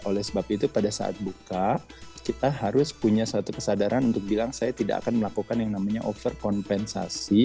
oleh sebab itu pada saat buka kita harus punya satu kesadaran untuk bilang saya tidak akan melakukan yang namanya overkompensasi